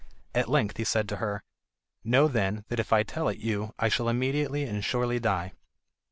At length he said to her: "Know, then, that if I tell it you I shall immediately and surely die."